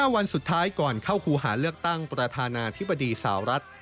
วันสุดท้ายก่อนเข้าครูหาเลือกตั้งประธานาธิบดีสาวรัฐ